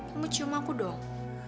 kamu cium aku dong